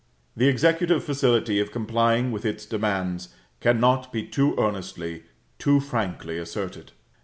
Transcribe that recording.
The executive facility of complying with its demands cannot be too earnestly, too frankly asserted.